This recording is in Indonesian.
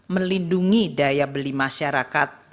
melindungi daya beli masyarakat